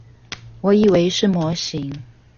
我以為是模型